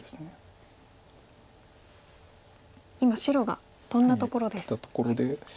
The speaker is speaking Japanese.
今白がトンだところです。